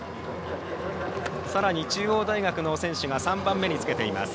さらに中央大学の３年生が３番目につけています。